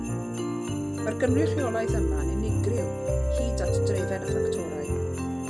Mae'r gynrychiolaeth yma'n unigryw hyd at drefn y ffactorau.